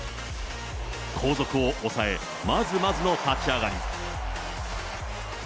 後続を抑え、まずまずの立ち上がり。